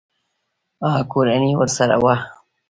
کورنۍ ورسره وه.